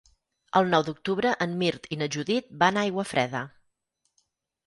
El nou d'octubre en Mirt i na Judit van a Aiguafreda.